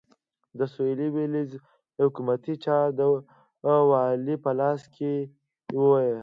د سوېلي ویلز حکومتي چارې د والي په لاس کې وې.